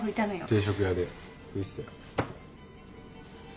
定食屋でふいてたよ。